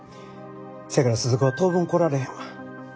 せやから鈴子は当分来られへんわ。